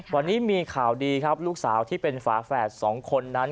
วันนี้มีข่าวดีครับลูกสาวที่เป็นฝาแฝดสองคนนั้น